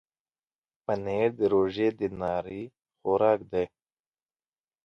پنېر د روژې د ناري خوراک دی.